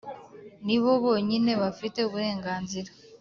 Nibo bonyine bafite uburenganzira